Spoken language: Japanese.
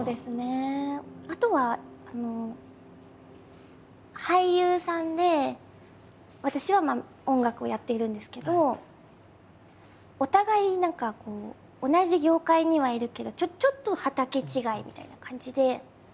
あとは俳優さんで私は音楽をやっているんですけどお互い何か同じ業界にはいるけどちょっと畑違いみたいな感じで。